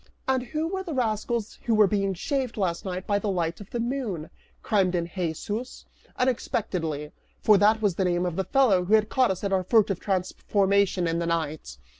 "And who were the rascals who were being shaved last night by the light of the moon?" chimed in Hesus, unexpectedly, for that was the name of the fellow who had caught us at our furtive transformation in the night.